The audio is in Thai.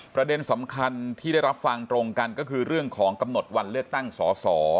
ประเด็นสำคัญที่ได้รับฟังตรงกันก็คือเรื่องของกำหนดวันเลือกตั้งสอสอ